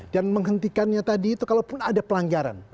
dan menghentikannya tadi itu kalaupun ada pelanggaran